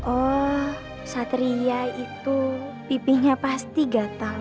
oh satria itu pipinya pasti gatel